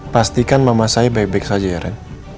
pastikan mama saya baik baik saja ya ren